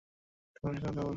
তুমি ওনার সাথে কথা বলো।